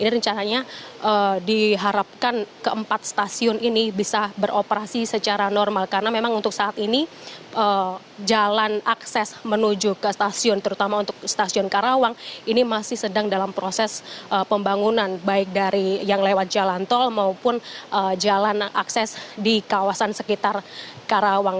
ini rencananya diharapkan keempat stasiun ini bisa beroperasi secara normal karena memang untuk saat ini jalan akses menuju ke stasiun terutama untuk stasiun karawang ini masih sedang dalam proses pembangunan baik dari yang lewat jalan tol maupun jalan akses di kawasan sekitar karawang